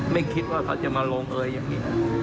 ไม่คิดว่าเขาจะมาลงเอยยังไง